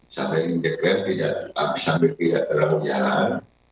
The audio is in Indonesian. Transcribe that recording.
sampai tidak berlalu jalan